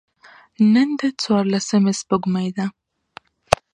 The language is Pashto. نن د څوارلسمي سپوږمۍ ده.